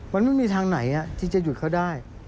มันไม่มีทางไหนที่จะหยุดเขาได้